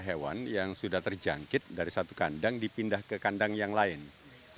hewan yang sudah terjangkit dari satu kandang dipindah ke kandang yang lain